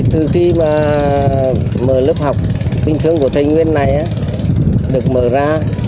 từ khi mà mở lớp học tình thương của thầy nguyên này được mở ra